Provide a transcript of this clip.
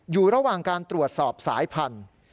อยู่ระหว่างการตรวจสอบสายพันธุ์